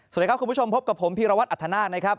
สวัสดีครับคุณผู้ชมพบกับผมพีรวัตรอัธนาคนะครับ